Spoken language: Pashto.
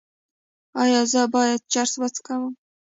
ایا زه باید چرس وڅکوم؟